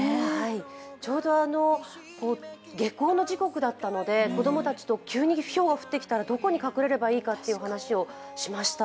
ちょうど下校の時刻だったので、子供たちと急にひょうが降ってきたらどこに隠れればいいかという話をしました。